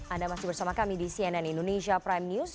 anda masih bersama kami di cnn indonesia prime news